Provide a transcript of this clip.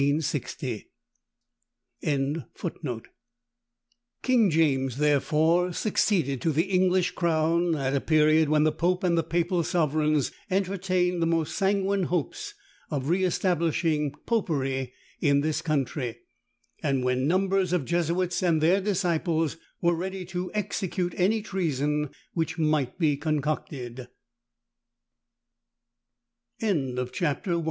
] King James, therefore, succeeded to the English crown at a period when the pope and the papal sovereigns entertained the most sanguine hopes of re establishing popery in this country, and when numbers of Jesuits and their disciples were ready to execute any treason which might be concocted. CHAPTER II. SKETCHES OF THE CONSPIRATORS.